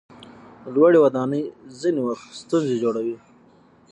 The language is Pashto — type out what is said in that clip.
لوړې ودانۍ ځینې وخت ستونزې جوړوي.